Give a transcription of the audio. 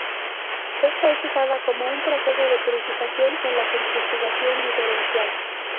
Esta es usada como un proceso de purificación en la centrifugación diferencial.